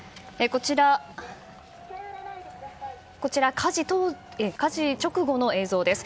こちら、火事直後の映像です。